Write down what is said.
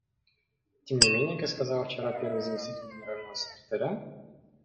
Тем не менее, как сказала вчера первый заместитель Генерального секретаря,.